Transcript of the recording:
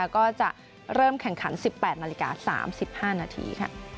ก็จะเริ่มแข่งขัน๑๘นาฬิกา๓๕นาที